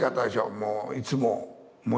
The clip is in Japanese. もういつも。